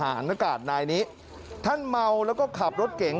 หันหน้ากาศนายนี้ท่านเมาแล้วก็ขับรถเก๋ง